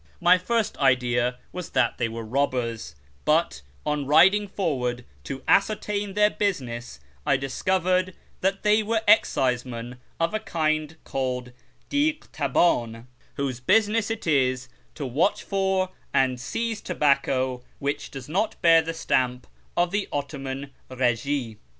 My first idea was that they were robbers ; but, on riding forward to ascertain their business, I discovered that they were excisemen of a kind called diglitabdn, whose business it is to watch for and seize tobacco which does not bear the stamp of the Ottoman Eegie.